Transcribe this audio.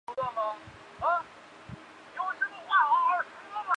软体互锁机制在有竞争危害时会失效。